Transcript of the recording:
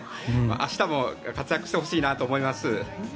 明日も活躍してほしいなと思います。